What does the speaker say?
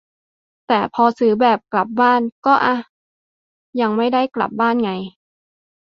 แต่พอซื้อแบบ กลับบ้าน ก็ อ๊ะ ยังไม่ได้กลับบ้านไง